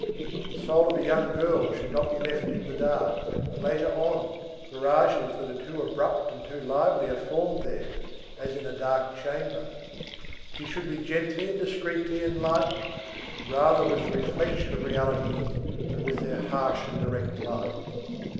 The soul of a young girl should not be left in the dark; later on, mirages that are too abrupt and too lively are formed there, as in a dark chamber. She should be gently and discreetly enlightened, rather with the reflection of realities than with their harsh and direct light.